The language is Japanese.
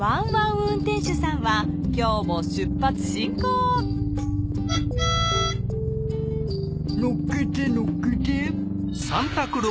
運転手さんは今日も出発進行のっけてのっけて。